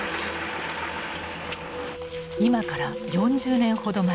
今から４０年ほど前。